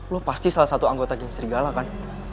lo pasti salah satu anggota geng serigala kan